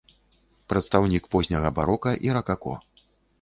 Прадстаўнік позняга барока і ракако.